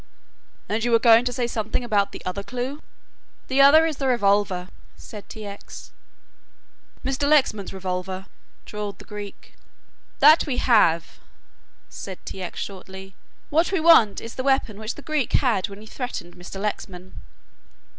"And you were going to say something about the other clue?" "The other is the revolver," said T. X. "Mr. Lexman's revolver!" drawled the Greek. "That we have," said T. X. shortly. "What we want is the weapon which the Greek had when he threatened Mr. Lexman."